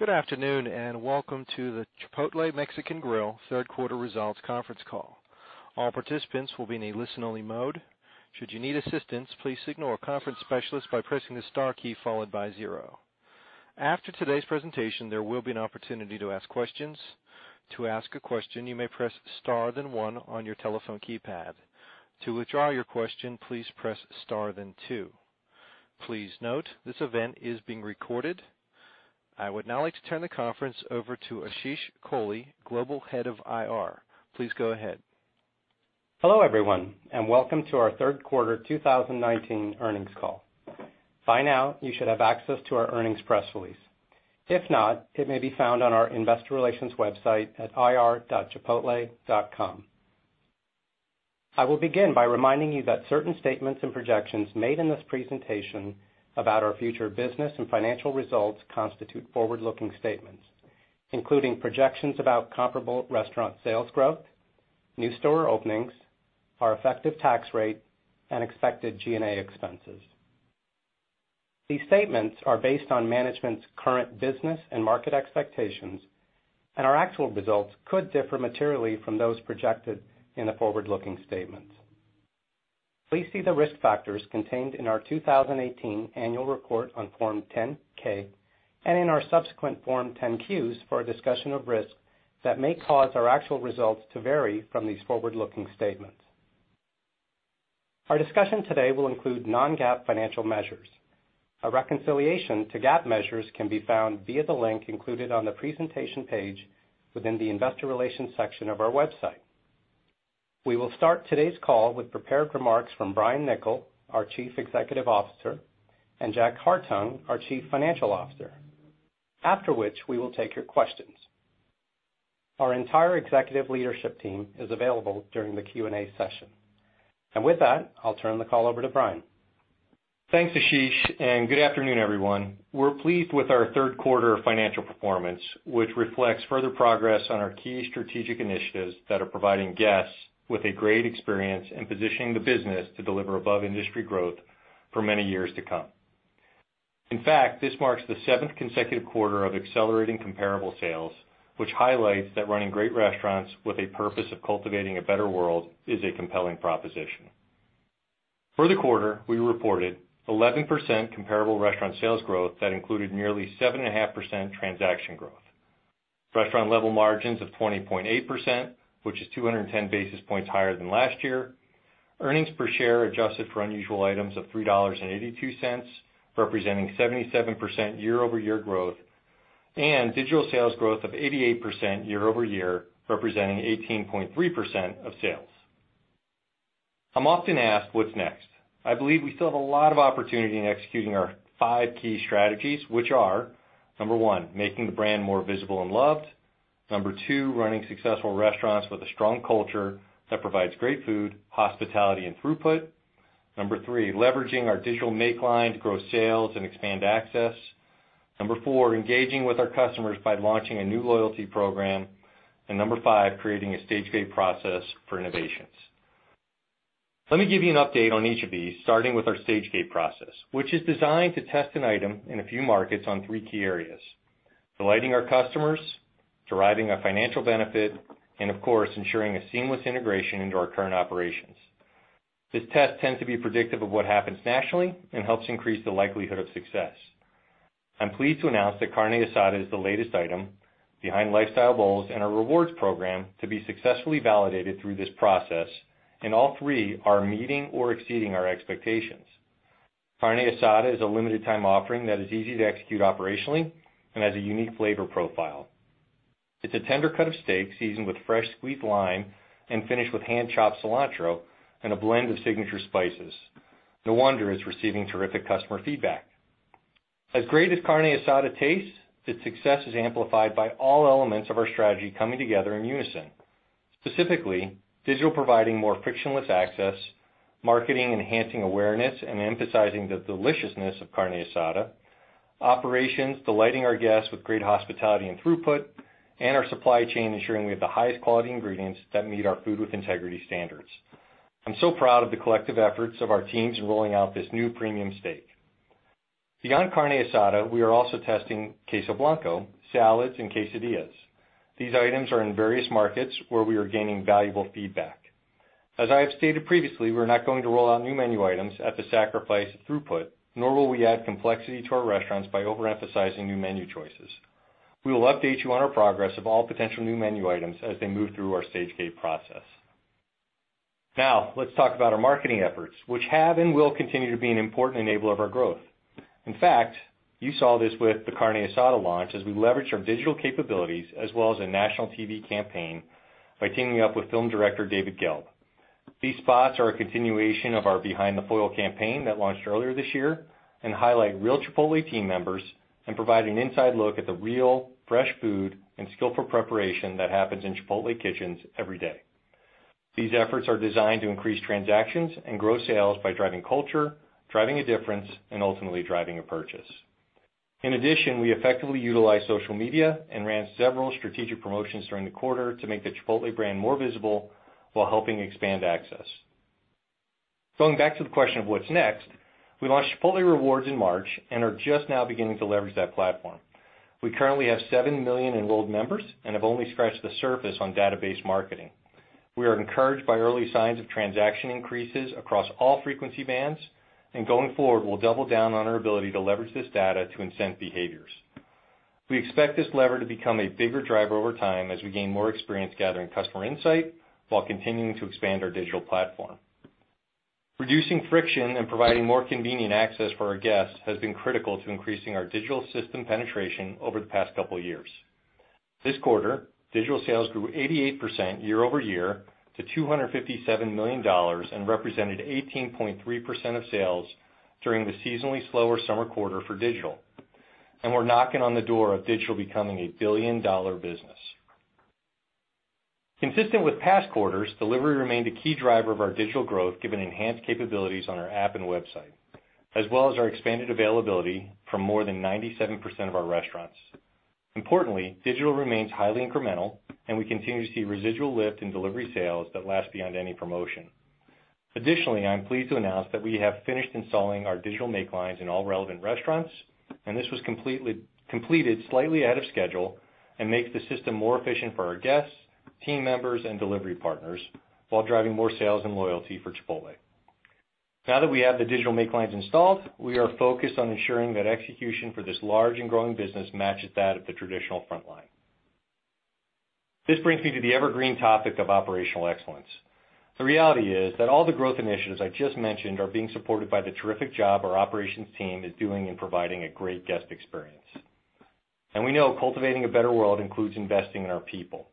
Good afternoon. Welcome to the Chipotle Mexican Grill third quarter results conference call. All participants will be in a listen only mode. Should you need assistance, please signal a conference specialist by pressing the star key followed by zero. After today's presentation, there will be an opportunity to ask questions. To ask a question, you may press star then one on your telephone keypad. To withdraw your question, please press star then two. Please note, this event is being recorded. I would now like to turn the conference over to Ashish Kohli, Global Head of IR. Please go ahead. Hello, everyone, and welcome to our third quarter 2019 earnings call. By now, you should have access to our earnings press release. If not, it may be found on our investor relations website at ir.chipotle.com. I will begin by reminding you that certain statements and projections made in this presentation about our future business and financial results constitute forward-looking statements, including projections about comparable restaurant sales growth, new store openings, our effective tax rate, and expected G&A expenses. These statements are based on management's current business and market expectations, and our actual results could differ materially from those projected in the forward-looking statements. Please see the risk factors contained in our 2018 annual report on Form 10-K and in our subsequent Form 10-Qs for a discussion of risks that may cause our actual results to vary from these forward-looking statements. Our discussion today will include non-GAAP financial measures. A reconciliation to GAAP measures can be found via the link included on the presentation page within the Investor Relations section of our website. We will start today's call with prepared remarks from Brian Niccol, our Chief Executive Officer, and Jack Hartung, our Chief Financial Officer, after which we will take your questions. Our entire executive leadership team is available during the Q&A session. With that, I'll turn the call over to Brian. Thanks, Ashish, and good afternoon, everyone. We're pleased with our third quarter financial performance, which reflects further progress on our key strategic initiatives that are providing guests with a great experience and positioning the business to deliver above-industry growth for many years to come. In fact, this marks the seventh consecutive quarter of accelerating comparable sales, which highlights that running great restaurants with a purpose of cultivating a better world is a compelling proposition. For the quarter, we reported 11% comparable restaurant sales growth that included nearly 7.5% transaction growth. Restaurant level margins of 20.8%, which is 210 basis points higher than last year. Earnings per share adjusted for unusual items of $3.82, representing 77% year-over-year growth, and digital sales growth of 88% year-over-year, representing 18.3% of sales. I'm often asked, "What's next?" I believe we still have a lot of opportunity in executing our five key strategies, which are, number one, making the brand more visible and loved. Number two, running successful restaurants with a strong culture that provides great food, hospitality, and throughput. Number three, leveraging our digital make line to grow sales and expand access. Number four, engaging with our customers by launching a new loyalty program. Number five, creating a Stage-Gate process for innovations. Let me give you an update on each of these, starting with our Stage-Gate process, which is designed to test an item in a few markets on three key areas: delighting our customers, deriving a financial benefit, and of course, ensuring a seamless integration into our current operations. This test tends to be predictive of what happens nationally and helps increase the likelihood of success. I'm pleased to announce that Carne Asada is the latest item behind Lifestyle Bowls and our Rewards program to be successfully validated through this process, and all three are meeting or exceeding our expectations. Carne Asada is a limited time offering that is easy to execute operationally and has a unique flavor profile. It's a tender cut of steak seasoned with fresh squeezed lime and finished with hand-chopped cilantro and a blend of signature spices. No wonder it's receiving terrific customer feedback. As great as Carne Asada tastes, its success is amplified by all elements of our strategy coming together in unison, specifically, digital providing more frictionless access, marketing enhancing awareness and emphasizing the deliciousness of Carne Asada, operations delighting our guests with great hospitality and throughput, and our supply chain ensuring we have the highest quality ingredients that meet our Food with Integrity standards. I'm so proud of the collective efforts of our teams in rolling out this new premium steak. Beyond Carne Asada, we are also testing Queso Blanco, salads, and quesadillas. These items are in various markets where we are gaining valuable feedback. As I have stated previously, we're not going to roll out new menu items at the sacrifice of throughput, nor will we add complexity to our restaurants by overemphasizing new menu choices. We will update you on our progress of all potential new menu items as they move through our Stage-Gate process. Let's talk about our marketing efforts, which have and will continue to be an important enabler of our growth. In fact, you saw this with the Carne Asada launch, as we leveraged our digital capabilities as well as a national TV campaign by teaming up with film director David Gelb. These spots are a continuation of our Behind the Foil campaign that launched earlier this year and highlight real Chipotle team members and provide an inside look at the real, fresh food and skillful preparation that happens in Chipotle kitchens every day. These efforts are designed to increase transactions and grow sales by driving culture, driving a difference, and ultimately driving a purchase. In addition, we effectively utilize social media and ran several strategic promotions during the quarter to make the Chipotle brand more visible while helping expand access. Going back to the question of what's next, we launched Chipotle Rewards in March and are just now beginning to leverage that platform. We currently have 7 million enrolled members and have only scratched the surface on database marketing. We are encouraged by early signs of transaction increases across all frequency bands. Going forward, we'll double down on our ability to leverage this data to incent behaviors. We expect this lever to become a bigger driver over time as we gain more experience gathering customer insight while continuing to expand our digital platform. Reducing friction and providing more convenient access for our guests has been critical to increasing our digital system penetration over the past couple years. This quarter, digital sales grew 88% year-over-year to $257 million and represented 18.3% of sales during the seasonally slower summer quarter for digital. We're knocking on the door of digital becoming a billion-dollar business. Consistent with past quarters, delivery remained a key driver of our digital growth, given enhanced capabilities on our app and website, as well as our expanded availability from more than 97% of our restaurants. Importantly, digital remains highly incremental, and we continue to see residual lift in delivery sales that last beyond any promotion. Additionally, I'm pleased to announce that we have finished installing our digital make lines in all relevant restaurants, and this was completed slightly ahead of schedule and makes the system more efficient for our guests, team members, and delivery partners while driving more sales and loyalty for Chipotle. Now that we have the digital make lines installed, we are focused on ensuring that execution for this large and growing business matches that of the traditional frontline. This brings me to the evergreen topic of operational excellence. The reality is that all the growth initiatives I just mentioned are being supported by the terrific job our operations team is doing in providing a great guest experience. We know cultivating a better world includes investing in our people.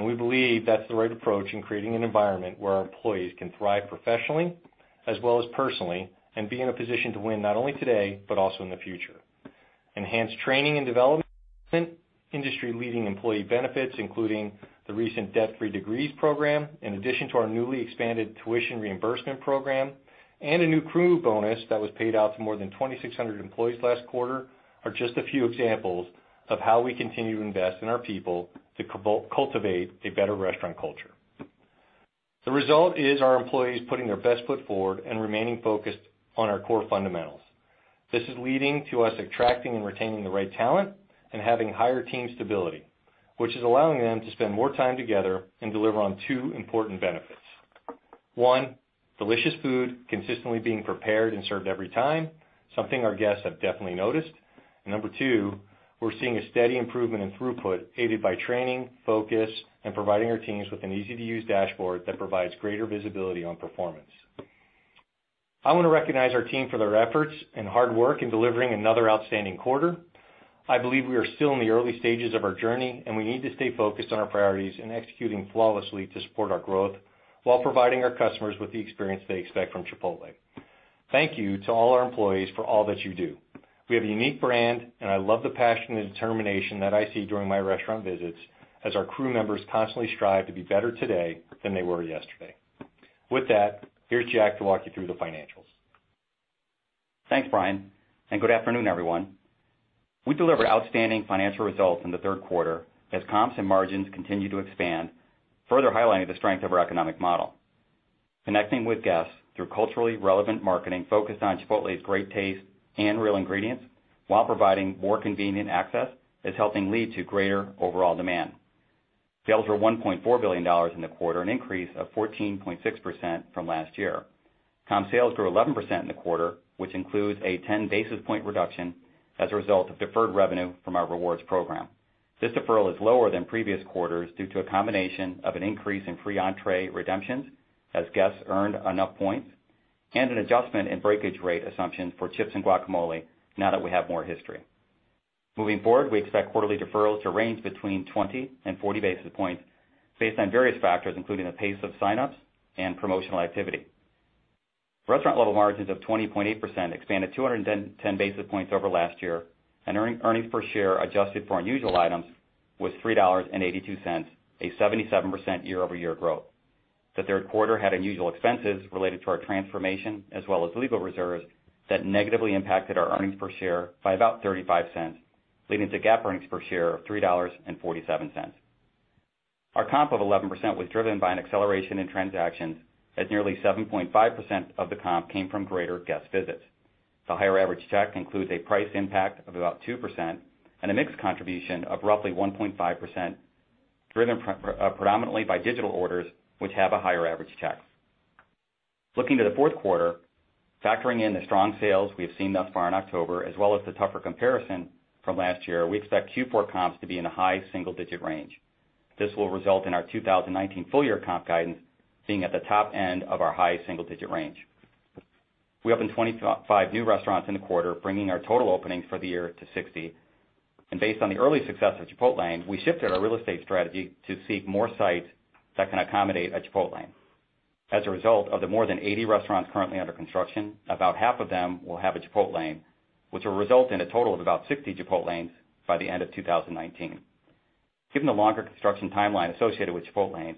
We believe that's the right approach in creating an environment where our employees can thrive professionally as well as personally, and be in a position to win, not only today, but also in the future. Enhanced training and development, industry-leading employee benefits, including the recent Debt-Free Degrees program, in addition to our newly expanded tuition reimbursement program, and a new crew bonus that was paid out to more than 2,600 employees last quarter, are just a few examples of how we continue to invest in our people to cultivate a better restaurant culture. The result is our employees putting their best foot forward and remaining focused on our core fundamentals. This is leading to us attracting and retaining the right talent and having higher team stability, which is allowing them to spend more time together and deliver on two important benefits. One, delicious food consistently being prepared and served every time, something our guests have definitely noticed. Number 2, we're seeing a steady improvement in throughput, aided by training, focus, and providing our teams with an easy-to-use dashboard that provides greater visibility on performance. I want to recognize our team for their efforts and hard work in delivering another outstanding quarter. I believe we are still in the early stages of our journey, and we need to stay focused on our priorities and executing flawlessly to support our growth while providing our customers with the experience they expect from Chipotle. Thank you to all our employees for all that you do. We have a unique brand, and I love the passion and determination that I see during my restaurant visits as our crew members constantly strive to be better today than they were yesterday. With that, here's Jack to walk you through the financials. Thanks, Brian. Good afternoon, everyone. We delivered outstanding financial results in the third quarter as comps and margins continue to expand, further highlighting the strength of our economic model. Connecting with guests through culturally relevant marketing focused on Chipotle's great taste and real ingredients while providing more convenient access is helping lead to greater overall demand. Sales were $1.4 billion in the quarter, an increase of 14.6% from last year. Comp sales grew 11% in the quarter, which includes a 10 basis point reduction as a result of deferred revenue from our Rewards program. This deferral is lower than previous quarters due to a combination of an increase in free entree redemptions as guests earned enough points and an adjustment in breakage rate assumptions for chips and guacamole now that we have more history. Moving forward, we expect quarterly deferrals to range between 20 and 40 basis points based on various factors, including the pace of sign-ups and promotional activity. Restaurant level margins of 20.8% expanded 210 basis points over last year, and earnings per share adjusted for unusual items was $3.82, a 77% year-over-year growth. The third quarter had unusual expenses related to our transformation as well as legal reserves that negatively impacted our earnings per share by about $0.35, leading to GAAP earnings per share of $3.47. Our comp of 11% was driven by an acceleration in transactions as nearly 7.5% of the comp came from greater guest visits. The higher average check includes a price impact of about 2% and a mix contribution of roughly 1.5% driven predominantly by digital orders, which have a higher average check. Looking to the fourth quarter, factoring in the strong sales we have seen thus far in October, as well as the tougher comparison from last year, we expect Q4 comps to be in the high single-digit range. This will result in our 2019 full year comp guidance being at the top end of our high single-digit range. We opened 25 new restaurants in the quarter, bringing our total openings for the year to 60. Based on the early success of Chipotlane, we shifted our real estate strategy to seek more sites that can accommodate a Chipotlane. As a result of the more than 80 restaurants currently under construction, about half of them will have a Chipotlane, which will result in a total of about 60 CChipotlane by the end of 2019. Given the longer construction timeline associated with Chipotlane,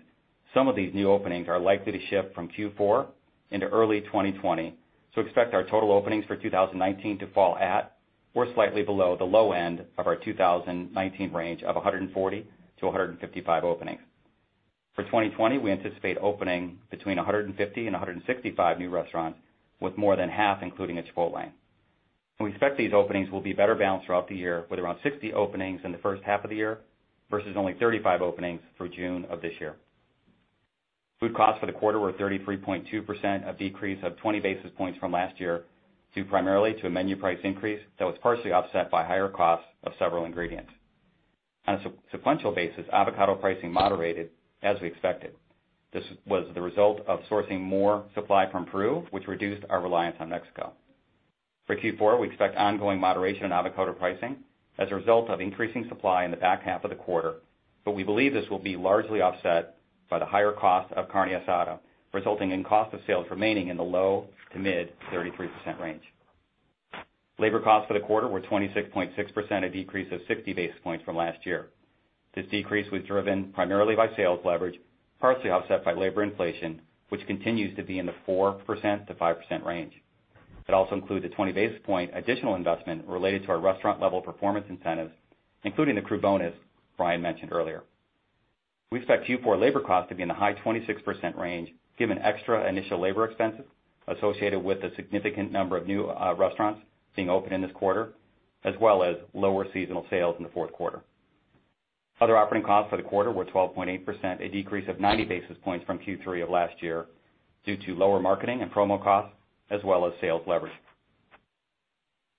some of these new openings are likely to shift from Q4 into early 2020. Expect our total openings for 2019 to fall slightly below the low end of our 2019 range of 140-155 openings. For 2020, we anticipate opening between 150 and 165 new restaurants, with more than half including a Chipotlane. We expect these openings will be better balanced throughout the year, with around 60 openings in the first half of the year versus only 35 openings through June of this year. Food costs for the quarter were 33.2%, a decrease of 20 basis points from last year, due primarily to a menu price increase that was partially offset by higher costs of several ingredients. On a sequential basis, avocado pricing moderated as we expected. This was the result of sourcing more supply from Peru, which reduced our reliance on Mexico. For Q4, we expect ongoing moderation on avocado pricing as a result of increasing supply in the back half of the quarter. We believe this will be largely offset by the higher cost of Carne Asada, resulting in cost of sales remaining in the low to mid-33% range. Labor costs for the quarter were 26.6%, a decrease of 60 basis points from last year. This decrease was driven primarily by sales leverage, partially offset by labor inflation, which continues to be in the 4%-5% range. It also includes a 20 basis point additional investment related to our restaurant-level performance incentives, including the crew bonus Brian mentioned earlier. We expect Q4 labor costs to be in the high 26% range, given extra initial labor expenses associated with a significant number of new restaurants being opened in this quarter, as well as lower seasonal sales in the fourth quarter. Other operating costs for the quarter were 12.8%, a decrease of 90 basis points from Q3 of last year due to lower marketing and promo costs, as well as sales leverage.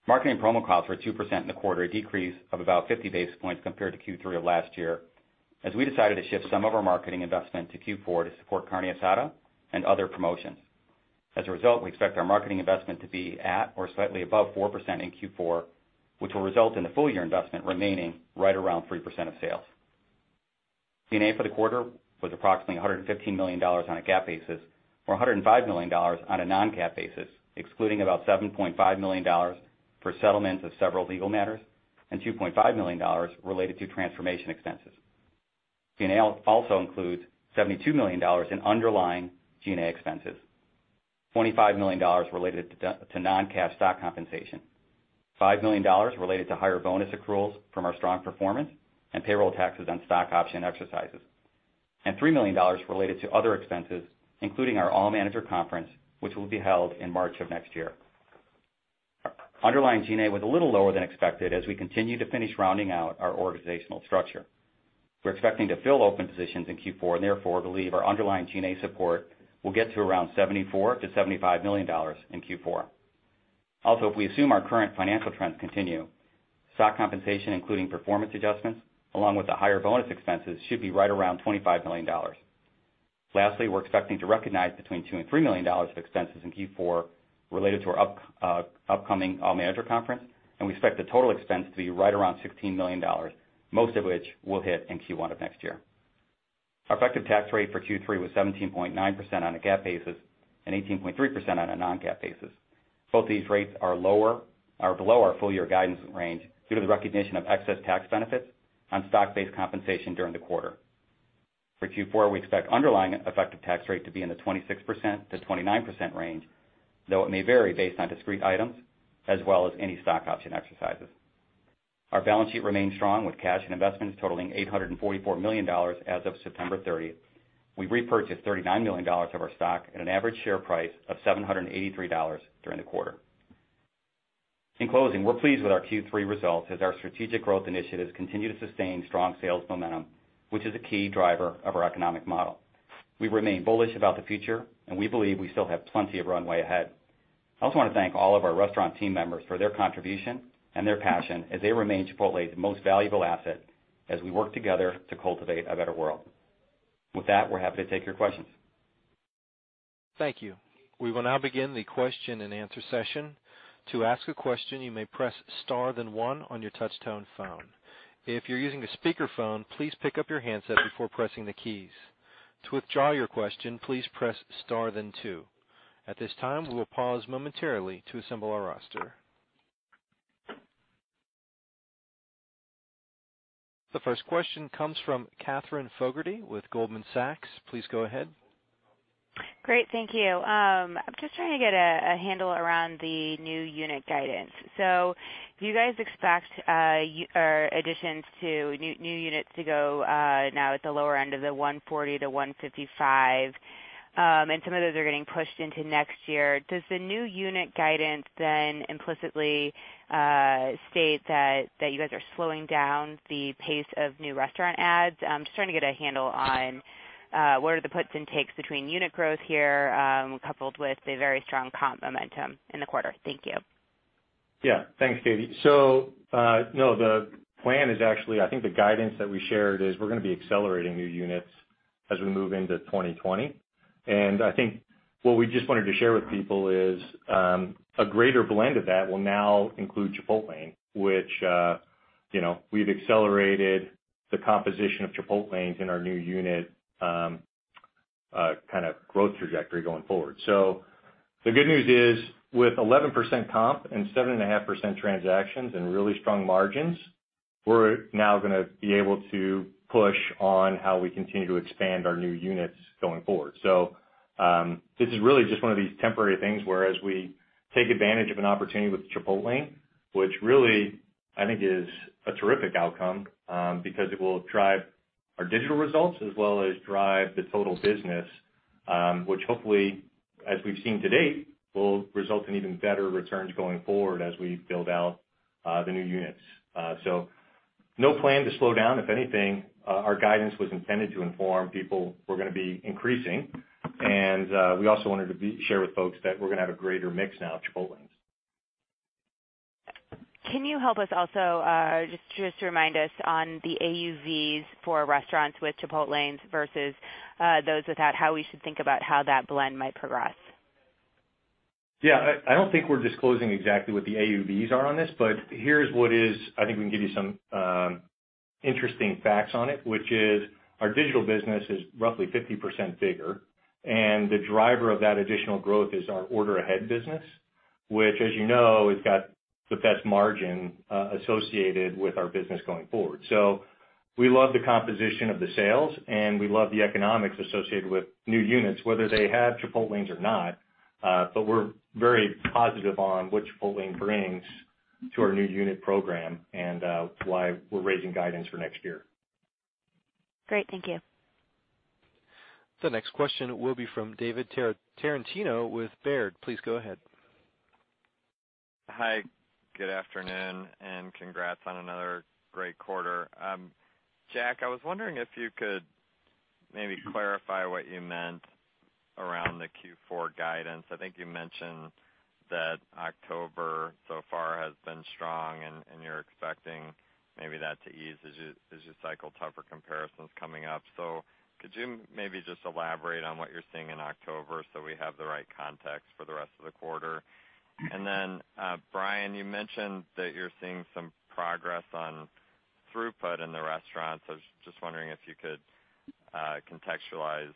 Marketing promo costs were 2% in the quarter, a decrease of about 50 basis points compared to Q3 of last year, as we decided to shift some of our marketing investment to Q4 to support Carne Asada and other promotions. As a result, we expect our marketing investment to be at or slightly above 4% in Q4, which will result in the full year investment remaining right around 3% of sales. G&A for the quarter was approximately $115 million on a GAAP basis or $105 million on a non-GAAP basis, excluding about $7.5 million for settlement of several legal matters and $2.5 million related to transformation expenses. G&A also includes $72 million in underlying G&A expenses, $25 million related to non-cash stock compensation, $5 million related to higher bonus accruals from our strong performance and payroll taxes on stock option exercises, and $3 million related to other expenses, including our All-Manager Conference, which will be held in March of next year. Underlying G&A was a little lower than expected as we continue to finish rounding out our organizational structure. We're expecting to fill open positions in Q4 and therefore believe our underlying G&A support will get to around $74 million-$75 million in Q4. If we assume our current financial trends continue, stock compensation, including performance adjustments along with the higher bonus expenses, should be right around $25 million. We're expecting to recognize between $2 million and $3 million of expenses in Q4 related to our upcoming All-Manager Conference, and we expect the total expense to be right around $16 million, most of which will hit in Q1 of next year. Our effective tax rate for Q3 was 17.9% on a GAAP basis and 18.3% on a non-GAAP basis. Both these rates are below our full-year guidance range due to the recognition of excess tax benefits on stock-based compensation during the quarter. For Q4, we expect underlying effective tax rate to be in the 26%-29% range, though it may vary based on discrete items as well as any stock option exercises. Our balance sheet remains strong with cash and investments totaling $844 million as of September 30. We repurchased $39 million of our stock at an average share price of $783 during the quarter. In closing, we're pleased with our Q3 results as our strategic growth initiatives continue to sustain strong sales momentum, which is a key driver of our economic model. We remain bullish about the future, and we believe we still have plenty of runway ahead. I also want to thank all of our restaurant team members for their contribution and their passion as they remain Chipotle's most valuable asset as we work together to cultivate a better world. With that, we're happy to take your questions. Thank you. We will now begin the question and answer session. To ask a question, you may press star then one on your touchtone phone. If you're using a speakerphone, please pick up your handset before pressing the keys. To withdraw your question, please press star then two. At this time, we will pause momentarily to assemble our roster. The first question comes from Katherine Fogertey with Goldman Sachs. Please go ahead. Great. Thank you. I'm just trying to get a handle around the new unit guidance. Do you guys expect additions to new units to go now at the lower end of the 140-155? Some of those are getting pushed into next year. Does the new unit guidance implicitly state that you guys are slowing down the pace of new restaurant adds? I'm just trying to get a handle on what are the puts and takes between unit growth here, coupled with a very strong comp momentum in the quarter. Thank you. Yeah. Thanks, Cathy. No, the plan is actually, I think the guidance that we shared is we're going to be accelerating new units as we move into 2020. I think what we just wanted to share with people is a greater blend of that will now include Chipotlane, which we've accelerated the composition of Chipotlanes in our new unit growth trajectory going forward. The good news is, with 11% comp and 7.5% transactions and really strong margins We're now going to be able to push on how we continue to expand our new units going forward. This is really just one of these temporary things, whereas we take advantage of an opportunity with Chipotlane, which really, I think is a terrific outcome, because it will drive our digital results as well as drive the total business, which hopefully, as we've seen to date, will result in even better returns going forward as we build out the new units. No plan to slow down. If anything, our guidance was intended to inform people we're going to be increasing. We also wanted to share with folks that we're going to have a greater mix now of Chipotlanes. Can you help us also, just to remind us on the AUVs for restaurants with Chipotlanes versus those without, how we should think about how that blend might progress? Yeah, I don't think we're disclosing exactly what the AUVs are on this, here's what is I think we can give you some interesting facts on it, which is our digital business is roughly 50% bigger. The driver of that additional growth is our order-ahead business, which, as you know, has got the best margin associated with our business going forward. We love the composition of the sales, and we love the economics associated with new units, whether they have Chipotlanes or not. We're very positive on what Chipotlane brings to our new unit program and it's why we're raising guidance for next year. Great. Thank you. The next question will be from David Tarantino with Baird. Please go ahead. Hi, good afternoon and congrats on another great quarter. Jack, I was wondering if you could maybe clarify what you meant around the Q4 guidance. I think you mentioned that October so far has been strong and you're expecting maybe that to ease as you cycle tougher comparisons coming up. Could you maybe just elaborate on what you're seeing in October so we have the right context for the rest of the quarter? Then, Brian, you mentioned that you're seeing some progress on throughput in the restaurants. I was just wondering if you could contextualize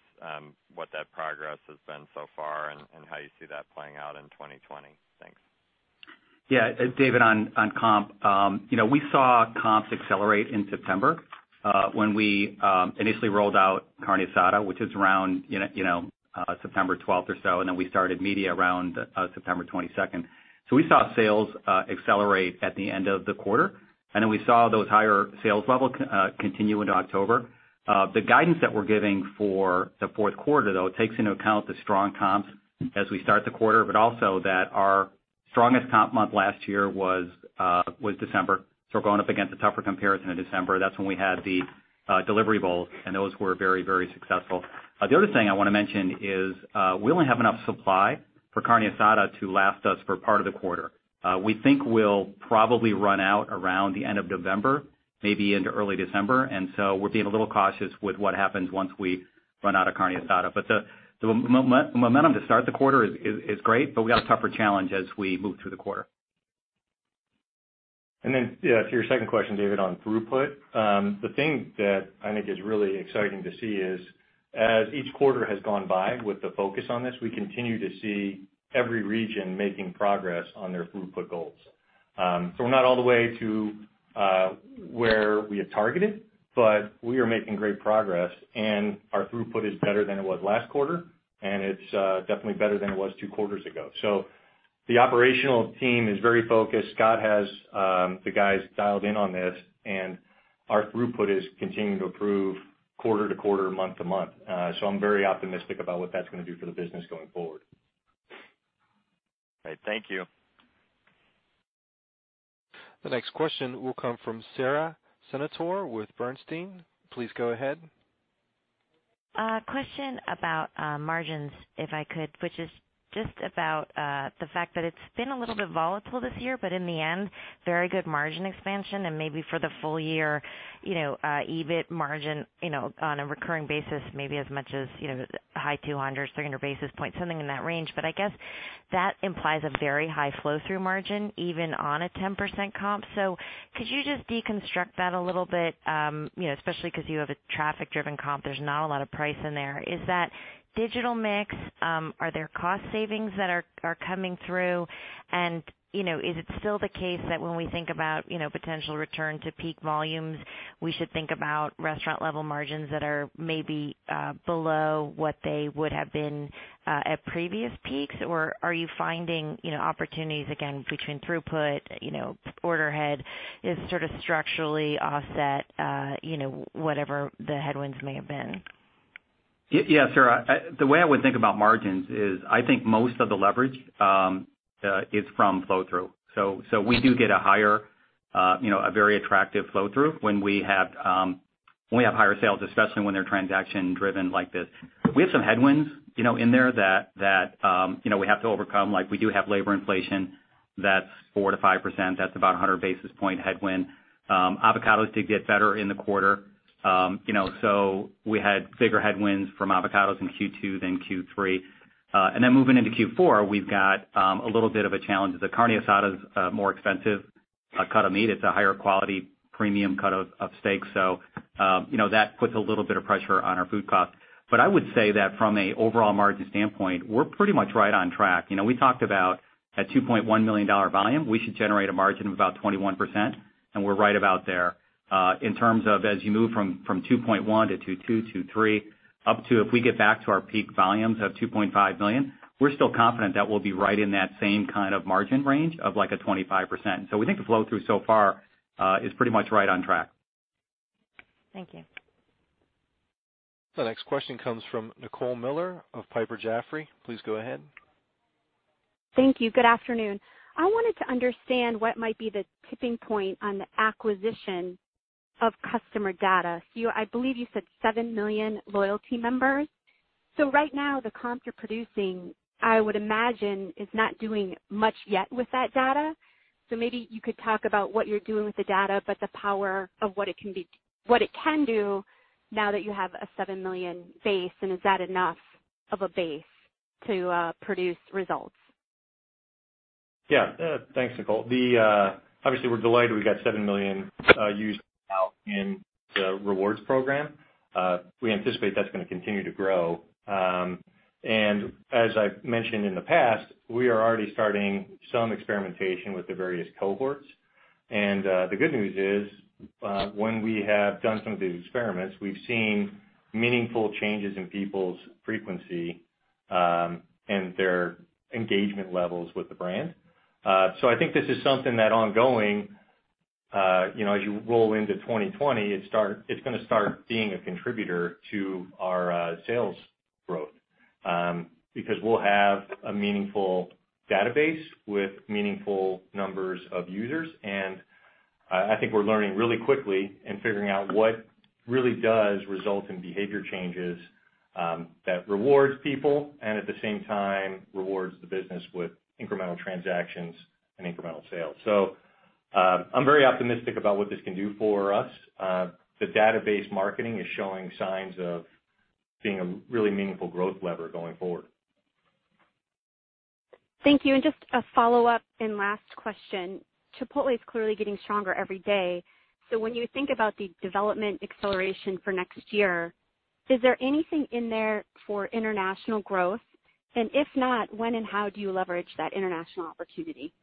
what that progress has been so far and how you see that playing out in 2020. Thanks. Yeah. David, on comp, we saw comps accelerate in September, when we initially rolled out Carne Asada, which is around September 12th or so, and then we started media around September 22nd. We saw sales accelerate at the end of the quarter, and then we saw those higher sales level continue into October. The guidance that we're giving for the fourth quarter, though, takes into account the strong comps as we start the quarter, but also that our strongest comp month last year was December. We're going up against a tougher comparison in December. That's when we had the delivery bowls, and those were very, very successful. The other thing I want to mention is, we only have enough supply for Carne Asada to last us for part of the quarter. We think we'll probably run out around the end of November, maybe into early December. We're being a little cautious with what happens once we run out of Carne Asada. The momentum to start the quarter is great, but we got a tougher challenge as we move through the quarter. Yeah, to your second question, David, on throughput. The thing that I think is really exciting to see is as each quarter has gone by with the focus on this, we continue to see every region making progress on their throughput goals. We're not all the way to where we had targeted, but we are making great progress and our throughput is better than it was last quarter and it's definitely better than it was two quarters ago. The operational team is very focused. Scott has the guys dialed in on this, and our throughput is continuing to improve quarter to quarter, month to month. I'm very optimistic about what that's going to do for the business going forward. Great. Thank you. The next question will come from Sara Senatore with Bernstein. Please go ahead. A question about margins, if I could, which is just about the fact that it's been a little bit volatile this year, in the end, very good margin expansion and maybe for the full year, EBIT margin on a recurring basis, maybe as much as high 200 or 300 basis points, something in that range. I guess that implies a very high flow-through margin even on a 10% comp. Could you just deconstruct that a little bit? Especially because you have a traffic driven comp, there's not a lot of price in there. Is that digital mix? Are there cost savings that are coming through? Is it still the case that when we think about potential return to peak volumes, we should think about restaurant level margins that are maybe below what they would have been at previous peaks? Are you finding opportunities again between throughput, order ahead is sort of structurally offset whatever the headwinds may have been? Yeah. Sara, the way I would think about margins is I think most of the leverage is from flow-through. We do get a very attractive flow-through when we have higher sales, especially when they're transaction driven like this. We have some headwinds in there that we have to overcome. Like we do have labor inflation that's 4%-5%. That's about 100 basis point headwind. Avocados did get better in the quarter. We had bigger headwinds from avocados in Q2 than Q3. Moving into Q4, we've got a little bit of a challenge. The Carne Asada's more expensive. A cut of meat, it's a higher quality premium cut of steak. That puts a little bit of pressure on our food cost. I would say that from an overall margin standpoint, we're pretty much right on track. We talked about at $2.1 million volume, we should generate a margin of about 21%, and we're right about there. In terms of as you move from $2.1 million to $2.2 million, $2.3 million, up to if we get back to our peak volumes of $2.5 million, we're still confident that we'll be right in that same kind of margin range of like a 25%. We think the flow through so far is pretty much right on track. Thank you. The next question comes from Nicole Miller of Piper Jaffray. Please go ahead. Thank you. Good afternoon. I wanted to understand what might be the tipping point on the acquisition of customer data. I believe you said 7 million loyalty members. Right now, the comps you're producing, I would imagine, is not doing much yet with that data. Maybe you could talk about what you're doing with the data, but the power of what it can do now that you have a 7 million base, and is that enough of a base to produce results? Yeah. Thanks, Nicole. Obviously, we're delighted we got 7 million users now in the Chipotle Rewards program. We anticipate that's going to continue to grow. As I've mentioned in the past, we are already starting some experimentation with the various cohorts. The good news is, when we have done some of these experiments, we've seen meaningful changes in people's frequency, and their engagement levels with the brand. I think this is something that ongoing, as you roll into 2020, it's going to start being a contributor to our sales growth, because we'll have a meaningful database with meaningful numbers of users. I think we're learning really quickly and figuring out what really does result in behavior changes, that rewards people, and at the same time rewards the business with incremental transactions and incremental sales. I'm very optimistic about what this can do for us. The database marketing is showing signs of being a really meaningful growth lever going forward. Thank you. Just a follow-up and last question. Chipotle is clearly getting stronger every day. When you think about the development acceleration for next year, is there anything in there for international growth? If not, when and how do you leverage that international opportunity?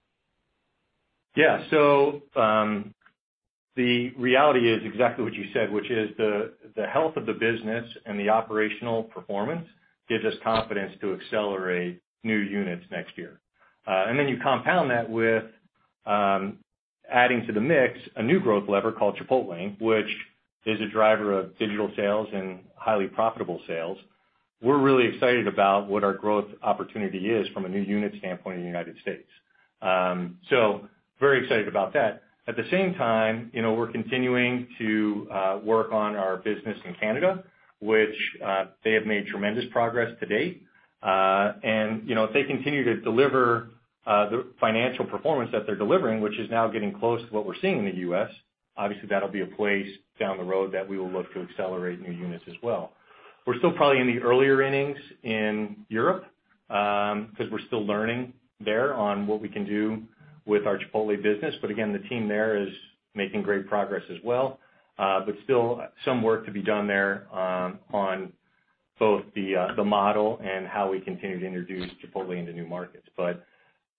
The reality is exactly what you said, which is the health of the business and the operational performance gives us confidence to accelerate new units next year. Then you compound that with adding to the mix a new growth lever called Chipotlane, which is a driver of digital sales and highly profitable sales. We're really excited about what our growth opportunity is from a new unit standpoint in the U.S. Very excited about that. At the same time, we're continuing to work on our business in Canada, which they have made tremendous progress to date. If they continue to deliver the financial performance that they're delivering, which is now getting close to what we're seeing in the U.S., obviously that'll be a place down the road that we will look to accelerate new units as well. We're still probably in the earlier innings in Europe, because we're still learning there on what we can do with our Chipotle business. Again, the team there is making great progress as well. Still some work to be done there on both the model and how we continue to introduce Chipotle into new markets.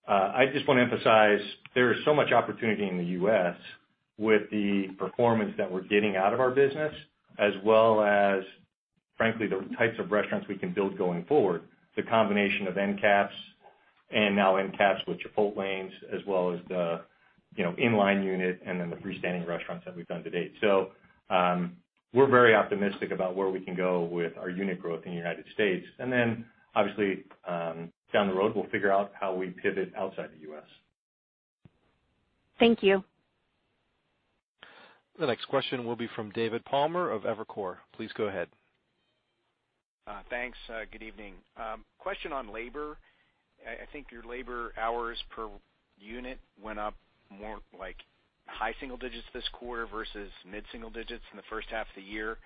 I just want to emphasize, there is so much opportunity in the U.S. with the performance that we're getting out of our business, as well as, frankly, the types of restaurants we can build going forward. The combination of end caps and now end caps with Chipotlanes as well as the inline unit and then the freestanding restaurants that we've done to date. We're very optimistic about where we can go with our unit growth in the United States. Obviously, down the road, we'll figure out how we pivot outside the U.S. Thank you. The next question will be from David Palmer of Evercore. Please go ahead. Thanks. Good evening. Question on labor. I think your labor hours per unit went up more like high single digits this quarter versus mid single digits in the first half of the year.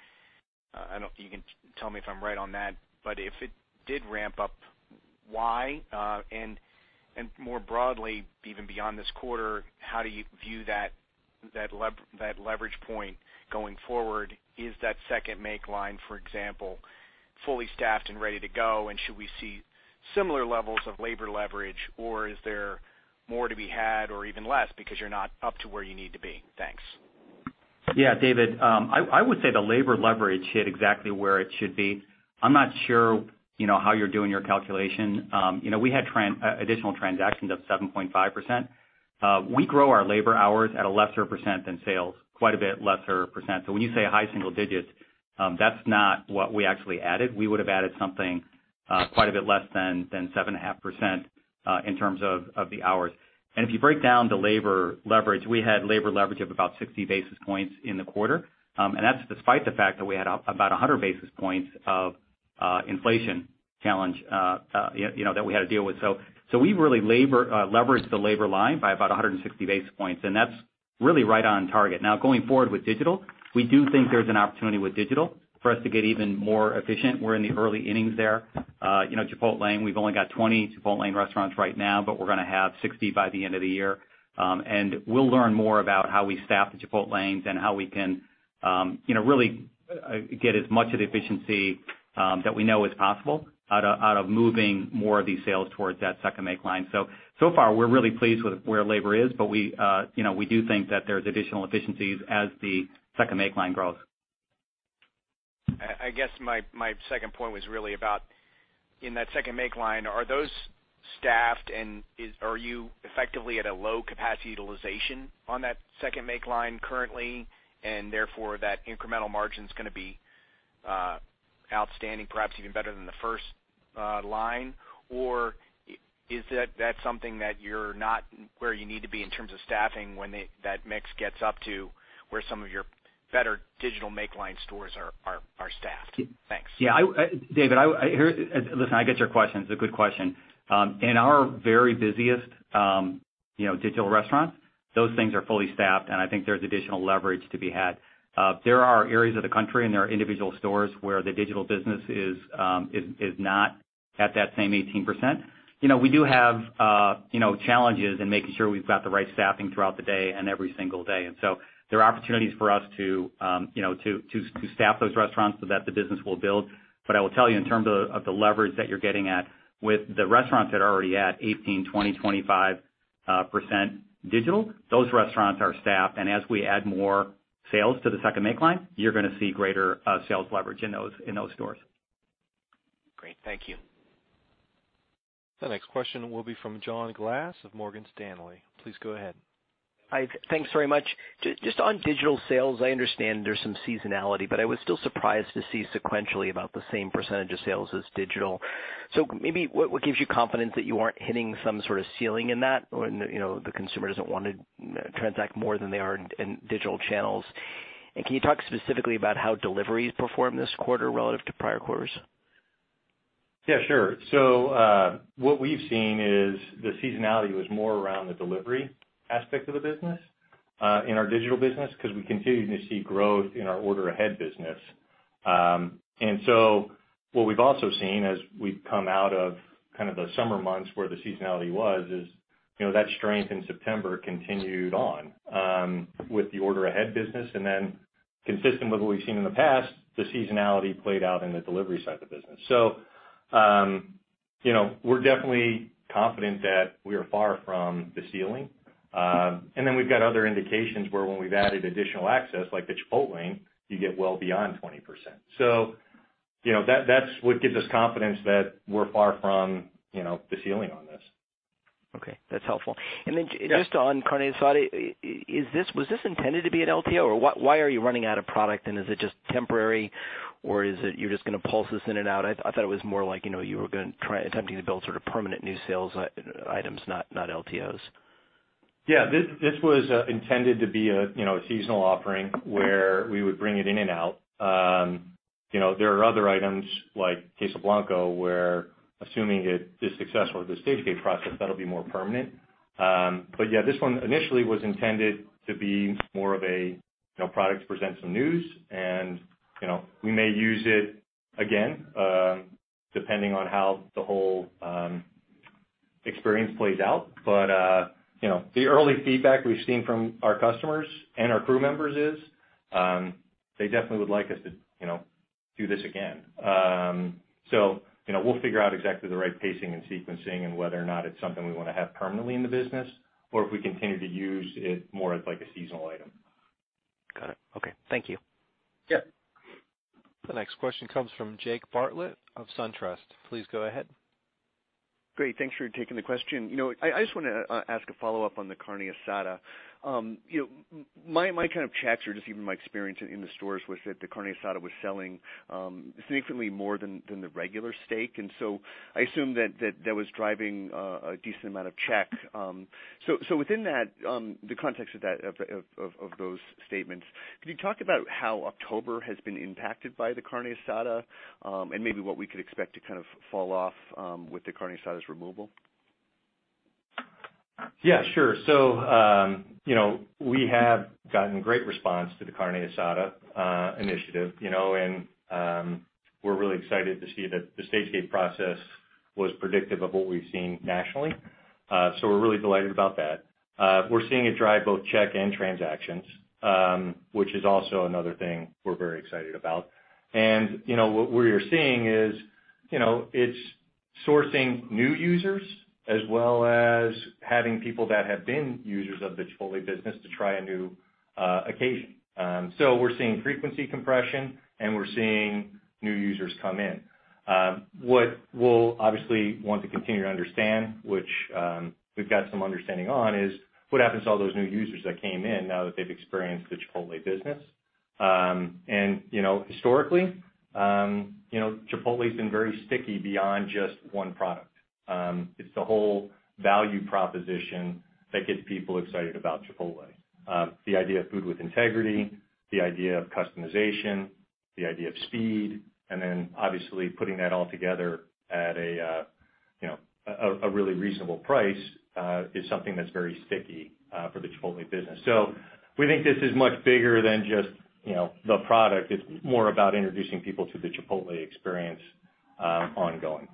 I don't know if you can tell me if I'm right on that, but if it did ramp up, why? More broadly, even beyond this quarter, how do you view that leverage point going forward? Is that second make line, for example, fully staffed and ready to go? Should we see similar levels of labor leverage, or is there more to be had or even less because you're not up to where you need to be? Thanks. Yeah, David. I would say the labor leverage hit exactly where it should be. I'm not sure how you're doing your calculation. We had additional transactions of 7.5%. We grow our labor hours at a lesser percent than sales, quite a bit lesser percent. When you say high single digits, that's not what we actually added. We would have added something quite a bit less than 7.5% in terms of the hours. If you break down the labor leverage, we had labor leverage of about 60 basis points in the quarter. That's despite the fact that we had about 100 basis points of inflation challenge that we had to deal with. We really leveraged the labor line by about 160 basis points, and that's Really right on target. Now, going forward with digital, we do think there's an opportunity with digital for us to get even more efficient. We're in the early innings there. You know, Chipotlane, we've only got 20 Chipotlane restaurants right now, but we're going to have 60 by the end of the year. We'll learn more about how we staff the Chipotlanes and how we can really get as much of the efficiency that we know is possible out of moving more of these sales towards that second make line. So far we're really pleased with where labor is, but we do think that there's additional efficiencies as the second make line grows. I guess my second point was really about, in that second make line, are those staffed and are you effectively at a low capacity utilization on that second make line currently, and therefore that incremental margin's going to be outstanding, perhaps even better than the first line? Or is that something that you're not where you need to be in terms of staffing when that mix gets up to where some of your better digital make line stores are staffed? Thanks. Yeah, David, listen, I get your question. It's a good question. In our very busiest digital restaurants, those things are fully staffed, and I think there's additional leverage to be had. There are areas of the country, and there are individual stores where the digital business is not at that same 18%. We do have challenges in making sure we've got the right staffing throughout the day and every single day. There are opportunities for us to staff those restaurants so that the business will build. I will tell you in terms of the leverage that you're getting at, with the restaurants that are already at 18%, 20%, 25% digital, those restaurants are staffed. As we add more sales to the second make line, you're going to see greater sales leverage in those stores. Great. Thank you. The next question will be from John Glass of Morgan Stanley. Please go ahead. Thanks very much. Just on digital sales, I understand there is some seasonality, but I was still surprised to see sequentially about the same % of sales as digital. Maybe what gives you confidence that you aren't hitting some sort of ceiling in that, or the consumer doesn't want to transact more than they are in digital channels? Can you talk specifically about how deliveries performed this quarter relative to prior quarters? Yeah, sure. What we've seen is the seasonality was more around the delivery aspect of the business, in our digital business, because we continue to see growth in our order ahead business. What we've also seen as we've come out of kind of the summer months where the seasonality was, is that strength in September continued on with the order ahead business, consistent with what we've seen in the past, the seasonality played out in the delivery side of the business. We're definitely confident that we are far from the ceiling. We've got other indications where when we've added additional access, like the Chipotlane, you get well beyond 20%. That's what gives us confidence that we're far from the ceiling on this. Okay, that's helpful. Just on Carne Asada, was this intended to be an LTO, or why are you running out of product, and is it just temporary, or you're just going to pulse this in and out? I thought it was more like, you were attempting to build sort of permanent new sales items, not LTOs. Yeah. This was intended to be a seasonal offering where we would bring it in and out. There are other items like Queso Blanco, where, assuming it is successful at the Stage-Gate process, that'll be more permanent. Yeah, this one initially was intended to be more of a product to present some news and we may use it again, depending on how the whole experience plays out. The early feedback we've seen from our customers and our crew members is, they definitely would like us to do this again. We'll figure out exactly the right pacing and sequencing and whether or not it's something we want to have permanently in the business or if we continue to use it more as like a seasonal item. Got it. Okay. Thank you. Yeah. The next question comes from Jake Bartlett of SunTrust. Please go ahead. Great. Thanks for taking the question. I just want to ask a follow-up on the Carne Asada. My kind of checks or just even my experience in the stores was that the Carne Asada was selling significantly more than the regular steak. I assume that that was driving a decent amount of check. Within that, the context of those statements, could you talk about how October has been impacted by the Carne Asada, and maybe what we could expect to kind of fall off with the Carne Asada's removal? Yeah, sure. We have gotten great response to the Carne Asada initiative, and we're really excited to see that the Stage-Gate process was predictive of what we've seen nationally. We're really delighted about that. We're seeing it drive both check and transactions, which is also another thing we're very excited about. What we are seeing is, it's sourcing new users as well as having people that have been users of the Chipotle business to try a new occasion. We're seeing frequency compression, and we're seeing new users come in. What we'll obviously want to continue to understand, which we've got some understanding on, is what happens to all those new users that came in now that they've experienced the Chipotle business. Historically, Chipotle's been very sticky beyond just one product. It's the whole value proposition that gets people excited about Chipotle. The idea of Food with Integrity, the idea of customization, the idea of speed, obviously putting that all together at a really reasonable price, is something that's very sticky for the Chipotle business. We think this is much bigger than just the product. It's more about introducing people to the Chipotle experience ongoing.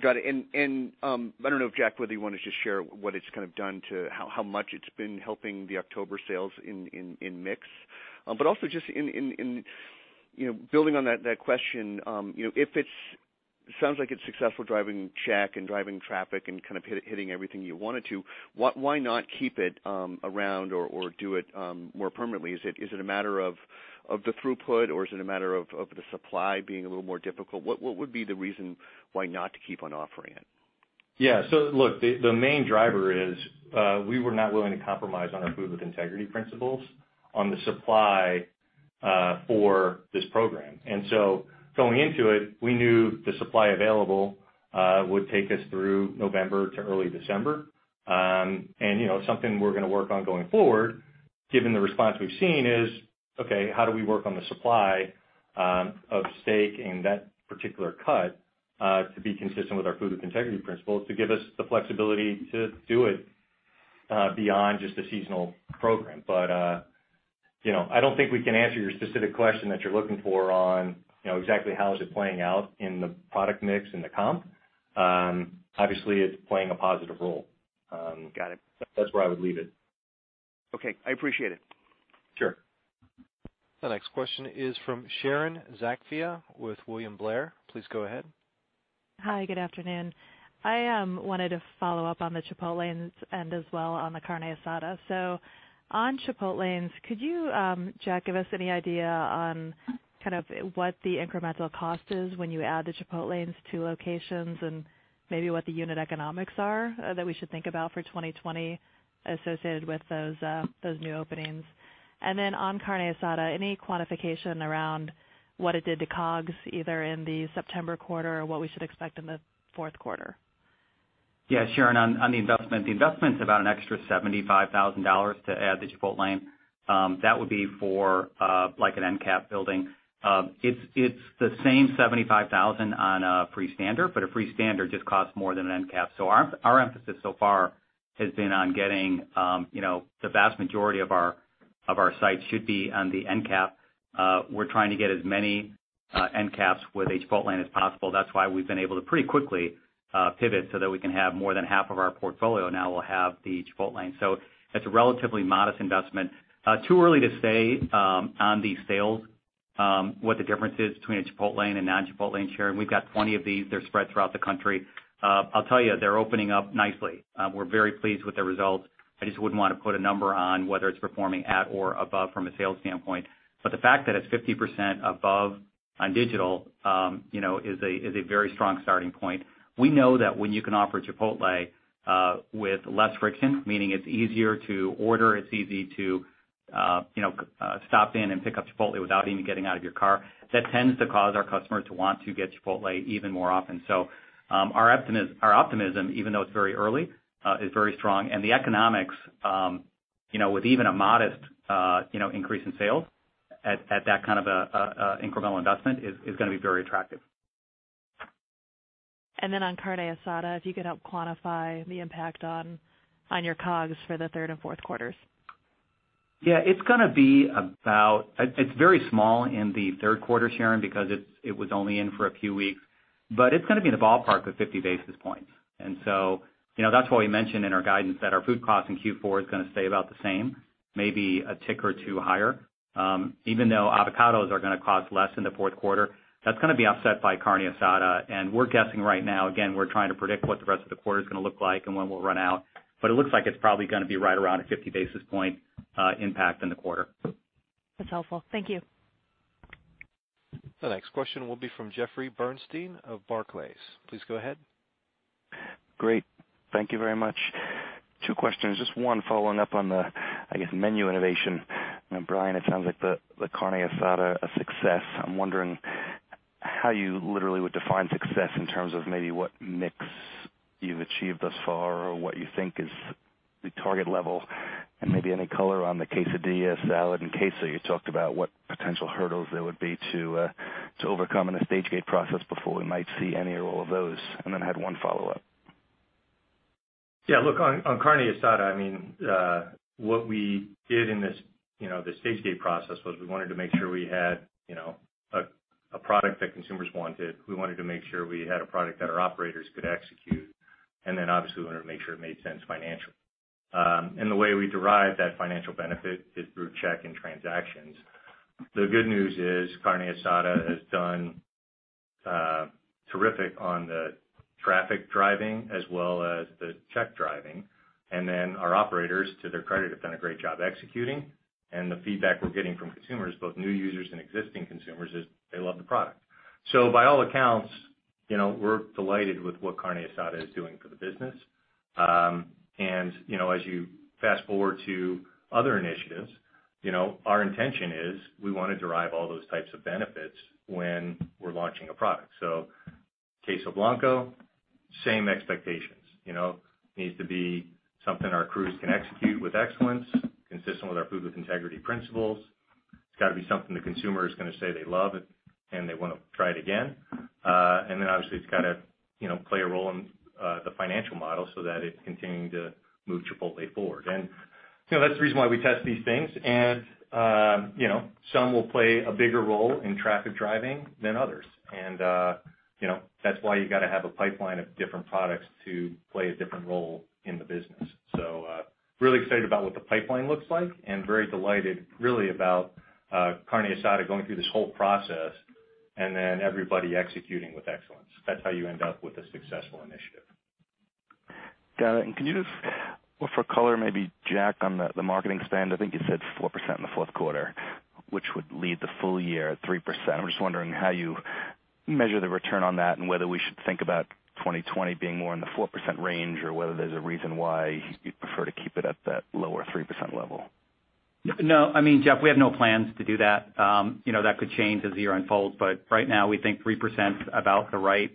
Got it. I don't know if, Jack, whether you want to just share what it's done to how much it's been helping the October sales in mix. Also just building on that question, it sounds like it's successful driving check and driving traffic and hitting everything you want it to. Why not keep it around or do it more permanently? Is it a matter of the throughput, or is it a matter of the supply being a little more difficult? What would be the reason why not to keep on offering it? Yeah. Look, the main driver is we were not willing to compromise on our Food with Integrity principles on the supply for this program. Going into it, we knew the supply available would take us through November to early December. Something we're going to work on going forward, given the response we've seen, is, okay, how do we work on the supply of steak in that particular cut to be consistent with our Food with Integrity principles, to give us the flexibility to do it beyond just a seasonal program. I don't think we can answer your specific question that you're looking for on exactly how is it playing out in the product mix, in the comp. Obviously, it's playing a positive role. Got it. That's where I would leave it. Okay, I appreciate it. Sure. The next question is from Sharon Zackfia with William Blair. Please go ahead. Hi, good afternoon. I wanted to follow up on the Chipotlanes and as well on the Carne Asada. On Chipotlanes, could you, Jack, give us any idea on what the incremental cost is when you add the Chipotlanes to locations and maybe what the unit economics are that we should think about for 2020 associated with those new openings? On Carne Asada, any quantification around what it did to COGS, either in the September quarter or what we should expect in the fourth quarter? Yeah, Sharon, on the investment. The investment's about an extra $75,000 to add the Chipotlane. That would be for an end cap building. It's the same $75,000 on a free standard, but a free standard just costs more than an end cap. Our emphasis so far has been on getting the vast majority of our sites should be on the end cap. We're trying to get as many end caps with a Chipotlane as possible. That's why we've been able to pretty quickly pivot so that we can have more than half of our portfolio now will have the Chipotlane. It's a relatively modest investment. Too early to say on the sales, what the difference is between a Chipotlane and non-Chipotlane, Sharon. We've got 20 of these. They're spread throughout the country. I'll tell you, they're opening up nicely. We're very pleased with the results. I just wouldn't want to put a number on whether it's performing at or above from a sales standpoint. The fact that it's 50% above on digital is a very strong starting point. We know that when you can offer Chipotle with less friction, meaning it's easier to order, it's easy to stop in and pick up Chipotle without even getting out of your car. That tends to cause our customers to want to get Chipotle even more often. Our optimism, even though it's very early, is very strong. The economics with even a modest increase in sales at that kind of incremental investment is going to be very attractive. On Carne Asada, if you could help quantify the impact on your COGS for the third and fourth quarters. Yeah, it's very small in the third quarter, Sharon, because it was only in for a few weeks. It's going to be in the ballpark of 50 basis points. That's why we mentioned in our guidance that our food cost in Q4 is going to stay about the same, maybe a tick or two higher. Even though avocados are going to cost less in the fourth quarter, that's going to be offset by Carne Asada. We're guessing right now, again, we're trying to predict what the rest of the quarter is going to look like and when we'll run out, but it looks like it's probably going to be right around a 50 basis point impact in the quarter. That's helpful. Thank you. The next question will be from Jeffrey Bernstein of Barclays. Please go ahead. Great. Thank you very much. Two questions. Just one following up on the, I guess, menu innovation. Brian, it sounds like the Carne Asada, a success. I'm wondering how you literally would define success in terms of maybe what mix you've achieved thus far or what you think is the target level, and maybe any color on the quesadilla, salad, and queso you talked about, what potential hurdles there would be to overcome in a Stage-Gate process before we might see any or all of those. Then I had one follow-up. Yeah, look, on Carne Asada, what we did in the Stage-Gate process was we wanted to make sure we had a product that consumers wanted. We wanted to make sure we had a product that our operators could execute. Obviously we wanted to make sure it made sense financially. The way we derive that financial benefit is through check and transactions. The good news is Carne Asada has done terrific on the traffic driving as well as the check driving. Our operators, to their credit, have done a great job executing. The feedback we're getting from consumers, both new users and existing consumers, is they love the product. By all accounts, we're delighted with what Carne Asada is doing for the business. As you fast forward to other initiatives, our intention is we want to derive all those types of benefits when we're launching a product. Queso Blanco. Same expectations. Needs to be something our crews can execute with excellence, consistent with our Food with Integrity principles. It's got to be something the consumer is going to say they love and they want to try it again. Then obviously, it's got to play a role in the financial model so that it's continuing to move Chipotle forward. That's the reason why we test these things. Some will play a bigger role in traffic driving than others. That's why you got to have a pipeline of different products to play a different role in the business. Really excited about what the pipeline looks like and very delighted really about Carne Asada going through this whole process and then everybody executing with excellence. That's how you end up with a successful initiative. Got it. Can you just offer color maybe, Jack, on the marketing spend? I think you said 4% in the fourth quarter, which would lead the full year at 3%. I'm just wondering how you measure the return on that and whether we should think about 2020 being more in the 4% range or whether there's a reason why you'd prefer to keep it at that lower 3% level. No, Jeff, we have no plans to do that. That could change as the year unfolds, but right now we think 3% is about the right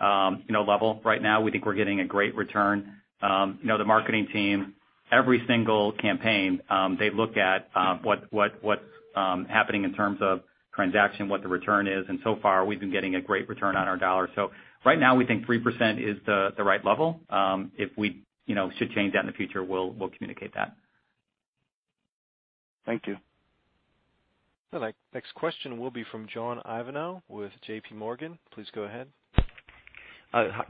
level right now. We think we're getting a great return. The marketing team, every single campaign, they look at what's happening in terms of transaction, what the return is, and so far, we've been getting a great return on our dollars. Right now, we think 3% is the right level. If we should change that in the future, we'll communicate that. Thank you. The next question will be from John Ivankoe with J.P. Morgan. Please go ahead.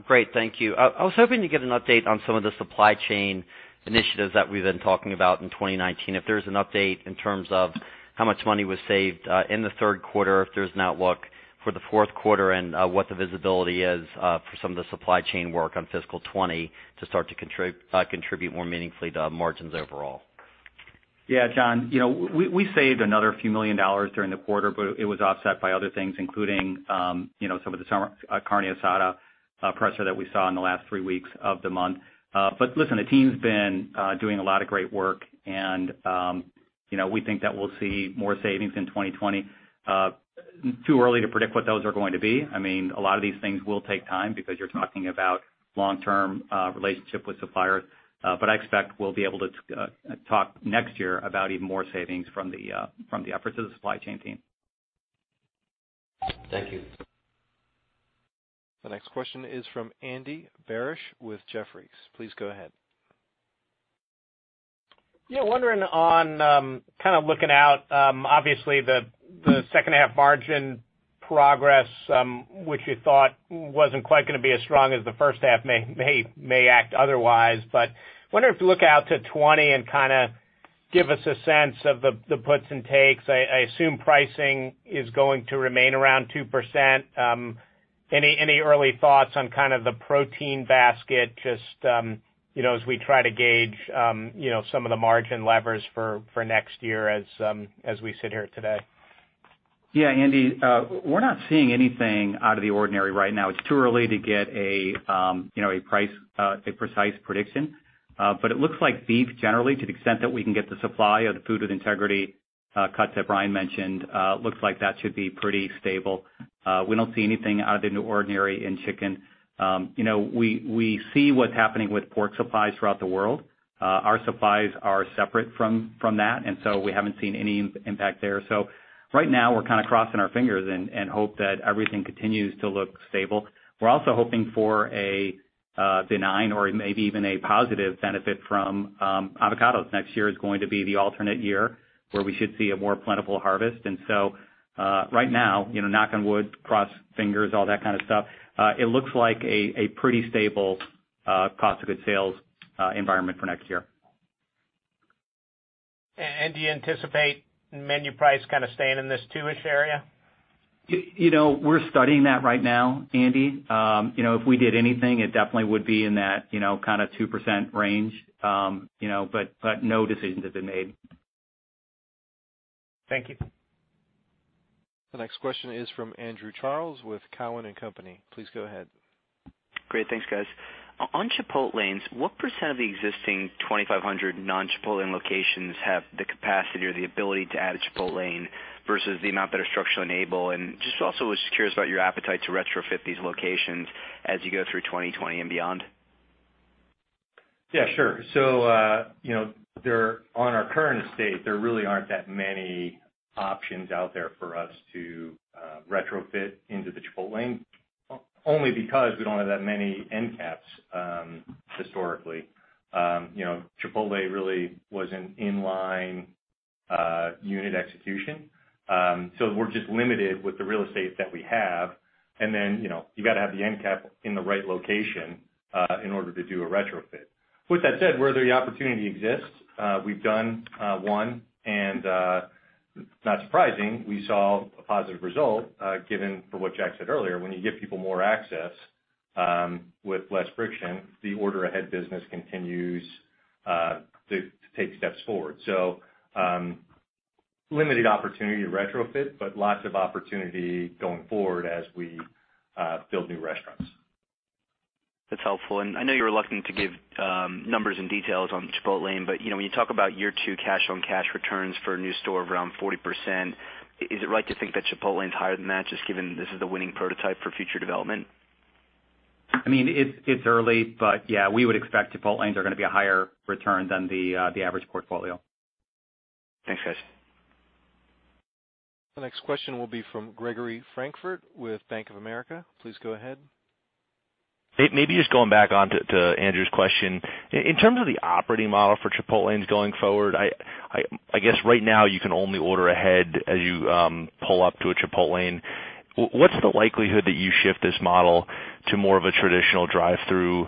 Great. Thank you. I was hoping to get an update on some of the supply chain initiatives that we've been talking about in 2019. If there's an update in terms of how much money was saved in the third quarter, if there's an outlook for the fourth quarter, and what the visibility is for some of the supply chain work on fiscal 2020 to start to contribute more meaningfully to margins overall. Yeah, John, we saved another $few million during the quarter, but it was offset by other things, including some of the summer Carne Asada pressure that we saw in the last three weeks of the month. Listen, the team's been doing a lot of great work, and we think that we'll see more savings in 2020. Too early to predict what those are going to be. A lot of these things will take time because you're talking about long-term relationship with suppliers. I expect we'll be able to talk next year about even more savings from the efforts of the supply chain team. Thank you. The next question is from Andy Barish with Jefferies. Please go ahead. Wondering on looking out, obviously the second half margin progress, which you thought wasn't quite going to be as strong as the first half may act otherwise. Wonder if you look out to 2020 and give us a sense of the puts and takes. I assume pricing is going to remain around 2%. Any early thoughts on the protein basket, just as we try to gauge some of the margin levers for next year as we sit here today? Yeah, Andy, we're not seeing anything out of the ordinary right now. It's too early to get a precise prediction. It looks like beef generally, to the extent that we can get the supply of the Food with Integrity cuts that Brian mentioned, looks like that should be pretty stable. We don't see anything out of the ordinary in chicken. We see what's happening with pork supplies throughout the world. Our supplies are separate from that, we haven't seen any impact there. Right now, we're crossing our fingers and hope that everything continues to look stable. We're also hoping for a benign or maybe even a positive benefit from avocados. Next year is going to be the alternate year where we should see a more plentiful harvest. Right now, knock on wood, cross fingers, all that kind of stuff, it looks like a pretty stable cost of goods environment for next year. Do you anticipate menu price staying in this two-ish area? We're studying that right now, Andy. If we did anything, it definitely would be in that 2% range. No decision has been made. Thank you. The next question is from Andrew Charles with Cowen and Company. Please go ahead. Great. Thanks, guys. On Chipotlanes, what % of the existing 2,500 non-Chipotlane locations have the capacity or the ability to add a Chipotlane versus the amount that are structurally able? Just also was curious about your appetite to retrofit these locations as you go through 2020 and beyond. Yeah, sure. On our current state, there really aren't that many options out there for us to retrofit into the Chipotlane, only because we don't have that many end caps historically. Chipotle really was an in-line unit execution. We're just limited with the real estate that we have. You got to have the end cap in the right location in order to do a retrofit. With that said, where the opportunity exists, we've done one and, not surprising, we saw a positive result, given for what Jack said earlier, when you give people more access with less friction, the order-ahead business continues to take steps forward. Limited opportunity to retrofit, but lots of opportunity going forward as we build new restaurants. That's helpful. I know you were reluctant to give numbers and details on Chipotlane, but when you talk about year 2 cash on cash returns for a new store of around 40%, is it right to think that Chipotlane's higher than that, just given this is the winning prototype for future development? I mean, it's early, but yeah, we would expect Chipotlanes are going to be a higher return than the average portfolio. Thanks, guys. The next question will be from Gregory Francfort with Bank of America. Please go ahead. Maybe just going back onto Andrew's question. In terms of the operating model for Chipotlanes going forward, I guess right now you can only order ahead as you pull up to a Chipotlane. What's the likelihood that you shift this model to more of a traditional drive-through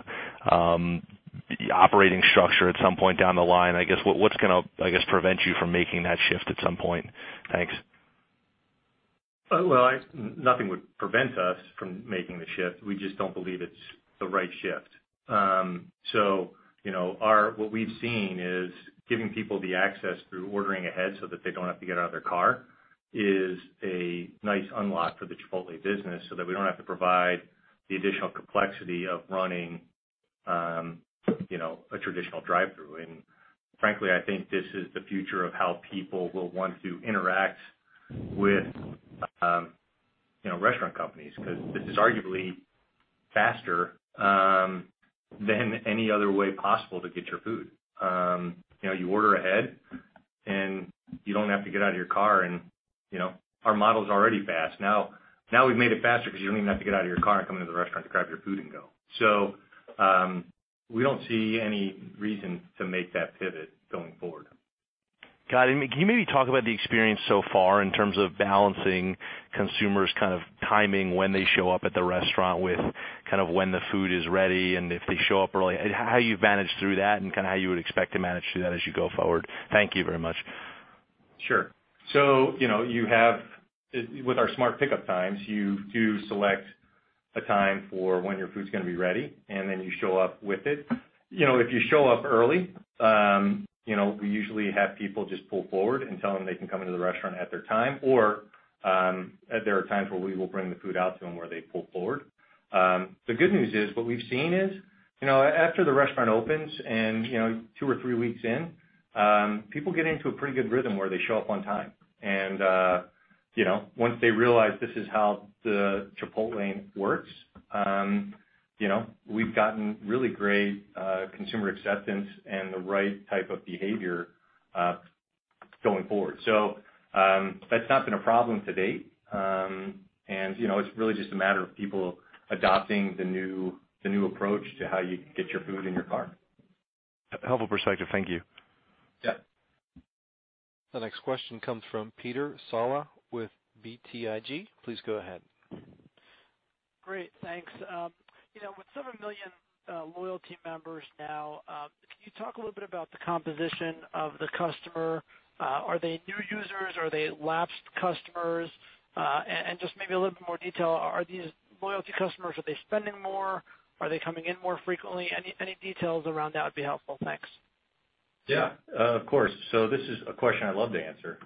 operating structure at some point down the line? I guess, what's going to prevent you from making that shift at some point? Thanks. Well, nothing would prevent us from making the shift. We just don't believe it's the right shift. What we've seen is giving people the access through ordering ahead so that they don't have to get out of their car is a nice unlock for the Chipotle business so that we don't have to provide the additional complexity of running a traditional drive-through. Frankly, I think this is the future of how people will want to interact with restaurant companies, because this is arguably faster than any other way possible to get your food. You order ahead, you don't have to get out of your car and our model's already fast. Now we've made it faster because you don't even have to get out of your car and come into the restaurant to grab your food and go. We don't see any reason to make that pivot going forward. Got it. Can you maybe talk about the experience so far in terms of balancing consumers' kind of timing, when they show up at the restaurant with kind of when the food is ready, and if they show up early, how you've managed through that and how you would expect to manage through that as you go forward? Thank you very much. Sure. With our smart pickup times, you do select a time for when your food's going to be ready, and then you show up with it. If you show up early, we usually have people just pull forward and tell them they can come into the restaurant at their time, or there are times where we will bring the food out to them where they pull forward. The good news is, what we've seen is, after the restaurant opens and two or three weeks in, people get into a pretty good rhythm where they show up on time. Once they realize this is how the Chipotlane works, we've gotten really great consumer acceptance and the right type of behavior going forward. That's not been a problem to date. It's really just a matter of people adopting the new approach to how you get your food in your car. Helpful perspective. Thank you. Yeah. The next question comes from Peter Saleh with BTIG. Please go ahead. Great. Thanks. With 7 million Chipotle Rewards members now, can you talk a little bit about the composition of the customer? Are they new users? Are they lapsed customers? Just maybe a little bit more detail, are these Chipotle Rewards customers, are they spending more? Are they coming in more frequently? Any details around that would be helpful. Thanks. Yeah. Of course. This is a question I love to answer.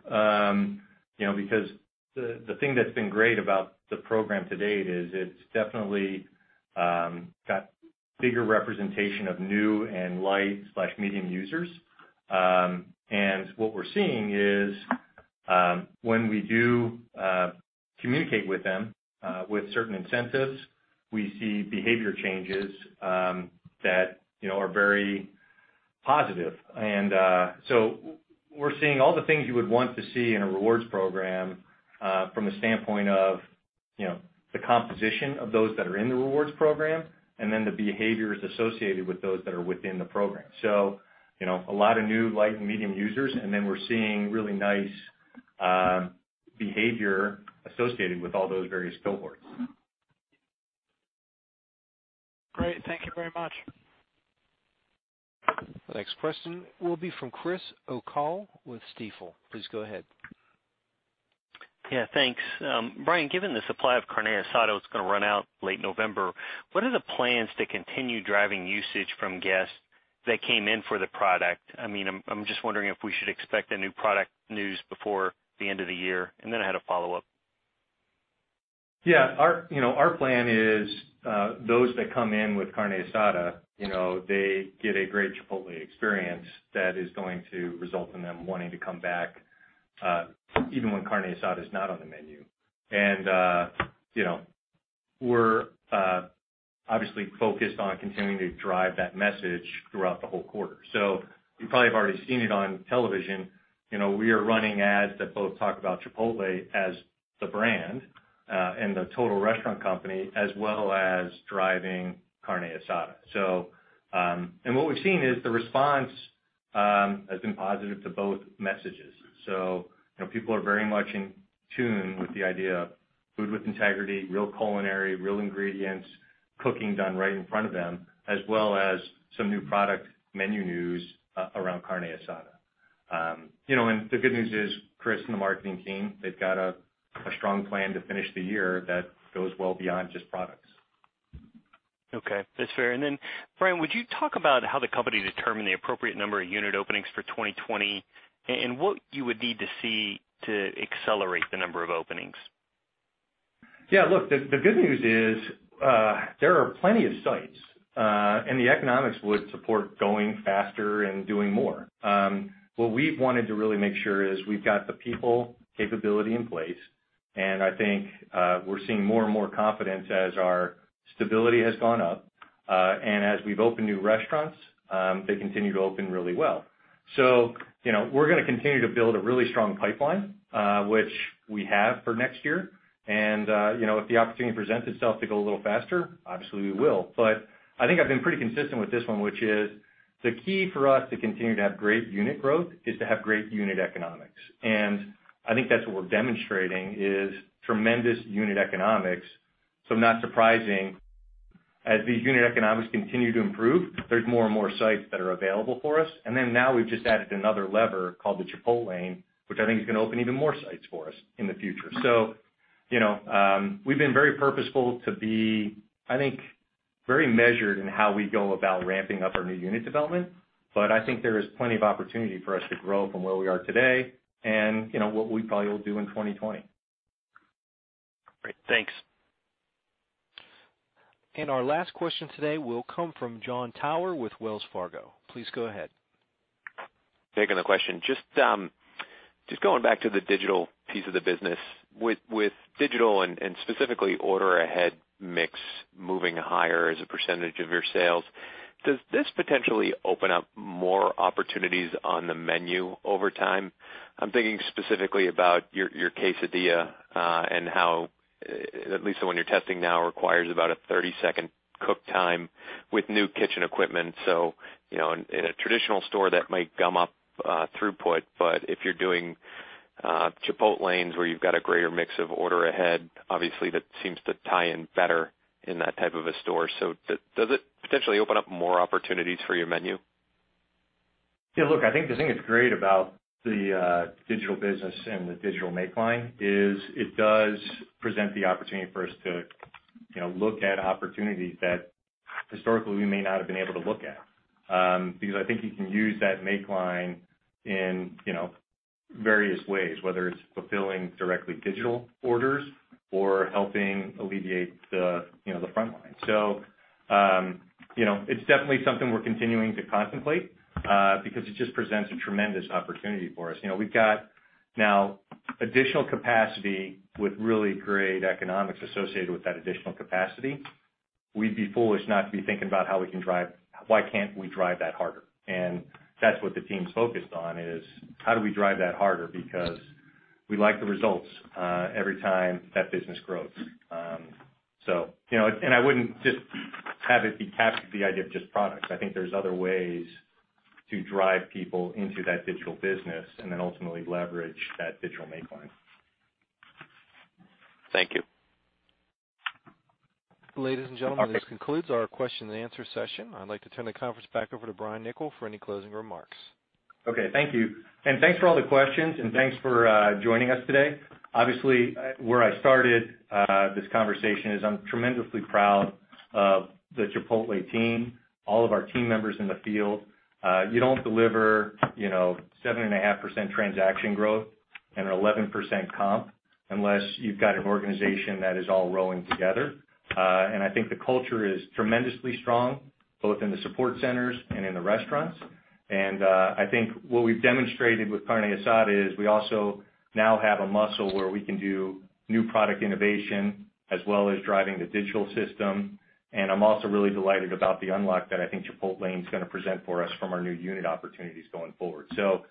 The thing that's been great about the program to date is it's definitely got bigger representation of new and light/medium users. What we're seeing is when we do communicate with them, with certain incentives, we see behavior changes that are very positive. We're seeing all the things you would want to see in a rewards program, from a standpoint of the composition of those that are in the rewards program, and then the behaviors associated with those that are within the program. A lot of new light and medium users, we're seeing really nice behavior associated with all those various cohorts. Great. Thank you very much. The next question will be from Chris O'Cull with Stifel. Please go ahead. Yeah, thanks. Brian, given the supply of Carne Asada is going to run out late November, what are the plans to continue driving usage from guests that came in for the product? I'm just wondering if we should expect a new product news before the end of the year. I had a follow-up. Yeah. Our plan is, those that come in with Carne Asada, they get a great Chipotle experience that is going to result in them wanting to come back, even when Carne Asada is not on the menu. We're obviously focused on continuing to drive that message throughout the whole quarter. You probably have already seen it on television. We are running ads that both talk about Chipotle as the brand, and the total restaurant company, as well as driving Carne Asada. What we've seen is the response has been positive to both messages. People are very much in tune with the idea of Food with Integrity, real culinary, real ingredients, cooking done right in front of them, as well as some new product menu news around Carne Asada. The good news is, Chris and the marketing team, they've got a strong plan to finish the year that goes well beyond just products. Okay. That's fair. Brian, would you talk about how the company determined the appropriate number of unit openings for 2020, and what you would need to see to accelerate the number of openings? Yeah. Look, the good news is, there are plenty of sites. The economics would support going faster and doing more. What we've wanted to really make sure is we've got the people capability in place, and I think we're seeing more and more confidence as our stability has gone up. As we've opened new restaurants, they continue to open really well. We're going to continue to build a really strong pipeline, which we have for next year. If the opportunity presents itself to go a little faster, obviously we will. I think I've been pretty consistent with this one, which is the key for us to continue to have great unit growth is to have great unit economics. I think that's what we're demonstrating, is tremendous unit economics. Not surprising, as the unit economics continue to improve, there's more and more sites that are available for us. Now we've just added another lever called the Chipotlane, which I think is going to open even more sites for us in the future. We've been very purposeful to be, I think, very measured in how we go about ramping up our new unit development. I think there is plenty of opportunity for us to grow from where we are today and what we probably will do in 2020. Great. Thanks. Our last question today will come from Jon Tower with Wells Fargo. Please go ahead. Taking the question. Just going back to the digital piece of the business. With digital and specifically order ahead mix moving higher as a percentage of your sales, does this potentially open up more opportunities on the menu over time? I'm thinking specifically about your quesadilla, and how at least the one you're testing now requires about a 30-second cook time with new kitchen equipment. In a traditional store, that might gum up throughput. If you're doing Chipotlanes where you've got a greater mix of order ahead, obviously that seems to tie in better in that type of a store. Does it potentially open up more opportunities for your menu? Yeah, look, I think the thing that's great about the digital business and the digital make line is it does present the opportunity for us to look at opportunities that historically we may not have been able to look at. I think you can use that make line in various ways, whether it's fulfilling directly digital orders or helping alleviate the front line. It's definitely something we're continuing to contemplate, because it just presents a tremendous opportunity for us. We've got now additional capacity with really great economics associated with that additional capacity. We'd be foolish not to be thinking about why can't we drive that harder. That's what the team's focused on, is how do we drive that harder, because we like the results every time that business grows. I wouldn't just have it be captive to the idea of just products. I think there's other ways to drive people into that digital business and then ultimately leverage that digital make line. Thank you. Ladies and gentlemen, this concludes our question and answer session. I'd like to turn the conference back over to Brian Niccol for any closing remarks. Okay. Thank you. Thanks for all the questions, and thanks for joining us today. Obviously, where I started this conversation is I'm tremendously proud of the Chipotle team, all of our team members in the field. You don't deliver 7.5% transaction growth and an 11% comp unless you've got an organization that is all rowing together. I think the culture is tremendously strong, both in the support centers and in the restaurants. I think what we've demonstrated with Carne Asada is we also now have a muscle where we can do new product innovation as well as driving the digital system. I'm also really delighted about the unlock that I think Chipotlane's going to present for us from our new unit opportunities going forward. A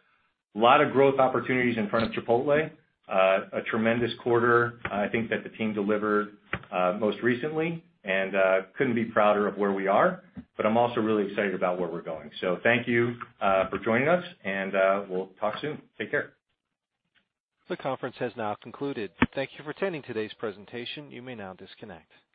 lot of growth opportunities in front of Chipotle. A tremendous quarter, I think, that the team delivered most recently, and couldn't be prouder of where we are. I'm also really excited about where we're going. Thank you for joining us, and we'll talk soon. Take care. The conference has now concluded. Thank you for attending today's presentation. You may now disconnect.